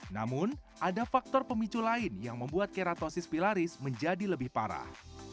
namun ada faktor pemicu lain yang membuat keratosis pilaris menjadi lebih parah